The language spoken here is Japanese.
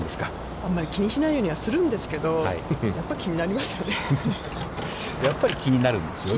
あんまり気にしないようにはするんですけれどもやっぱり気になりますよね。